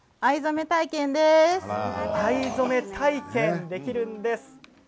藍染め体験できるんです。